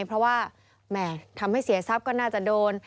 เพราะว่าแหม่ทำให้เสียทรัพย์ก็น่าจะโดน